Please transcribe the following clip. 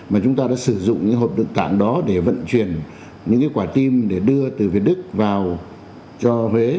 mà chúng ta đã sử dụng những hộp đựng tảng đó để vận chuyển những quả tim để đưa từ việt đức vào cho huế